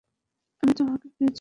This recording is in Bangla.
আমি তোমাকে পেয়েছি এটাই বাস্তবতা।